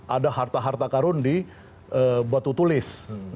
ada harta harta karun di batu tulis